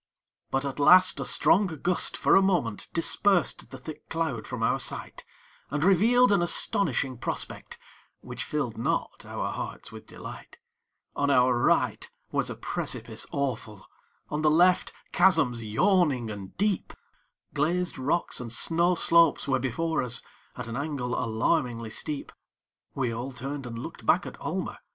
But at last a strong gust for a moment Dispersed the thick cloud from our sight, And revealed an astonishing prospect, Which filled not our hearts with delight: On our right was a precipice awful; On the left chasms yawning and deep; Glazed rocks and snow slopes were before us, At an angle alarmingly steep. We all turned and looked back at Almer.